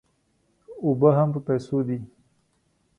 اوبه هم په پیسو دي.